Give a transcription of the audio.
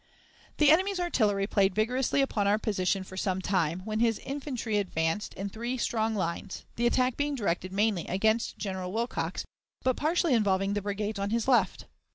The enemy's artillery played vigorously upon our position for some time, when his infantry advanced in three strong lines, the attack being directed mainly against General Wilcox, but partially involving the brigades on his left.